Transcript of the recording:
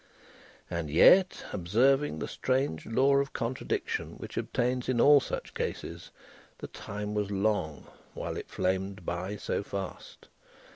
And yet, observing the strange law of contradiction which obtains in all such cases, the time was long, while it flamed by so fast.